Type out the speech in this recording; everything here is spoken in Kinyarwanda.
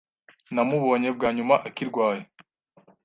Namubonye bwa nyuma akirwaye.